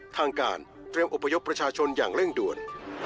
ทางการเตรียมอบพยพประชาชนอย่างเร่งด่วน